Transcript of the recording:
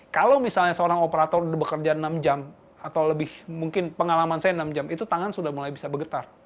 kalau misalnya seorang operator bekerja enam jam atau lebih mungkin pengalaman saya enam jam itu tangan sudah mulai bisa bergetar